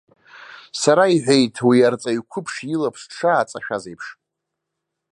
Сара, иҳәеит уи арҵаҩ қәыԥш илаԥш дшааҵашәаз еиԥш.